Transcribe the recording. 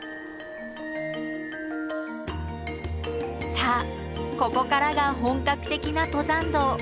さあここからが本格的な登山道。